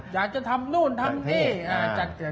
อยากจะทำนู่นทำนี่